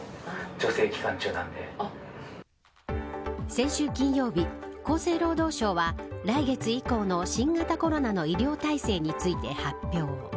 先週金曜日、厚生労働省は来月以降の新型コロナの医療体制について発表。